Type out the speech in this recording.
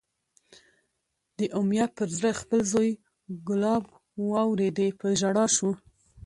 د امیة پر زړه خپل زوی کلاب واورېدی، په ژړا شو